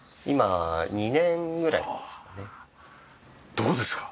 どうですか？